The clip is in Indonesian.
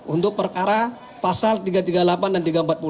untuk perkara pasal tiga ratus tiga puluh delapan dan tiga ratus empat puluh